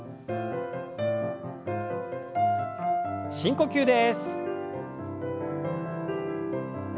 深呼吸です。